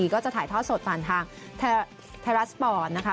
ก็จะถ่ายทอดสดผ่านทางไทยรัฐสปอร์ตนะคะ